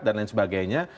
dan lain sebagainya